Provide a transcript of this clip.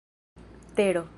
tero